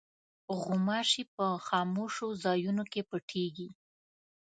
غوماشې په خاموشو ځایونو کې پټېږي.